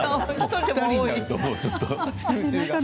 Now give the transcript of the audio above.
２人になるとちょっと。